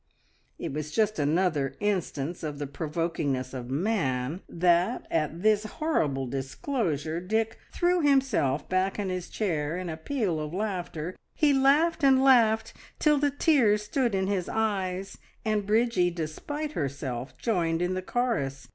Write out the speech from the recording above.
It was just another instance of the provokingness of man that at this horrible disclosure Dick threw himself back in his chair in a peal of laughter; he laughed and laughed till the tears stood in his eyes, and Bridgie, despite herself, joined in the chorus.